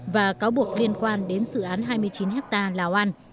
và cáo buộc liên quan đến dự án hai mươi chín hectare lào an